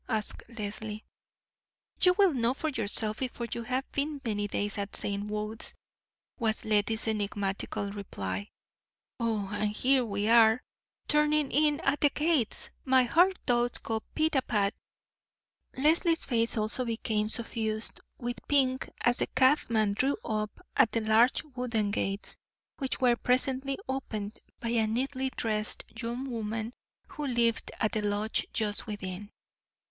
asked Leslie. "You will know for yourself before you have been many days at St. Wode's," was Lettie's enigmatical reply. "Oh, and here we are, turning in at the gates! My heart does go pit a pat." Leslie's face also became suffused with pink as the cabman drew up at the large wooden gates, which were presently opened by a neatly dressed young woman who lived at the lodge just within.